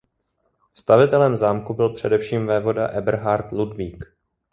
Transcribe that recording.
Stavitelem zámku byl především vévoda Eberhard Ludvík.